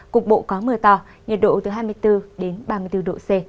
cục bộ có mưa to nhiệt độ từ hai mươi bốn đến ba mươi bốn độ c